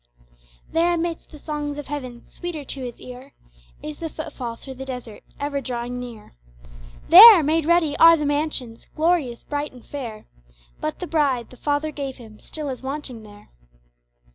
There amidst the songs of heaven Sweeter to His ear Is the footfall through the desert, Ever drawing near. There, made ready are the mansions, Glorious, bright and fair; But the Bride the Father gave Him Still is wanting there.